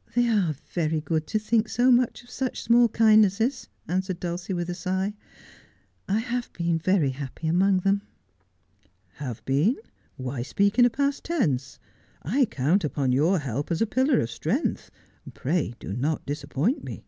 ' They are very good to think so much of such small kind nesses,' answered Dulcie, with a sigh. ' I have been very happy among them.' ' Have been 1 "Why speak in a past tense ? I count upon your help as a pillar of strength. Pray do not disappoint me.'